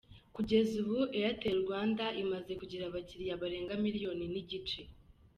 Kugeza ubu Airtel Rwanda imaze kugira abakiriya barenga Miliyoni n’igice.